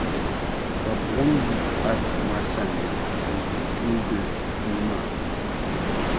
Ka Buɣim yi a Duuma sani na n-ti tuui gili li puu maa.